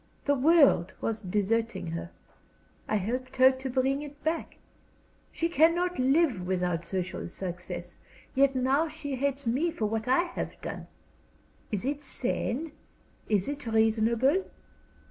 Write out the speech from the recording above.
The world was deserting her; I helped her to bring it back. She cannot live without social success; yet now she hates me for what I have done. Is it sane is it reasonable?"